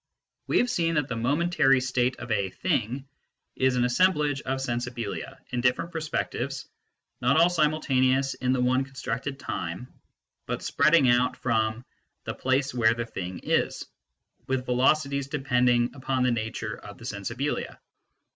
We have seen that the momentary state of a " thing " is an assemblage of " sensibilia," in different perspectives, not all simultaneous in the one constructed time, but spreading out from " the place where the thing is " with velocities depending upon the nature of the " sensibilia."